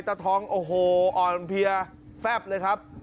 ตาทองโอ้โหอ่อนเพลียแฟบเลยครับ